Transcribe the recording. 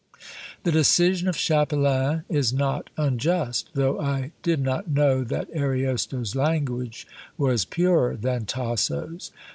The decision of Chapelain is not unjust; though I did not know that Ariosto's language was purer than Tasso's.